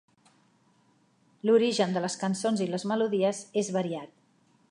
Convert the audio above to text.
L'origen de les cançons i les melodies és variat.